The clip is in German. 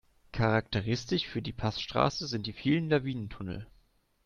Charakteristisch für die Passstraße sind die vielen Lawinentunnel.